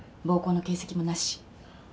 暴行の形跡もなし。